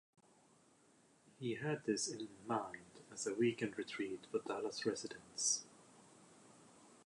He had this in mind as a weekend retreat for Dallas residents.